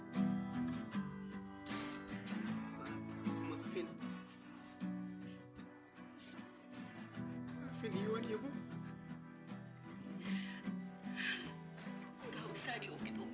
tidak akan mengejutkan